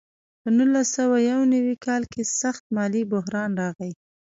په نولس سوه یو نوي کال کې سخت مالي بحران راغی.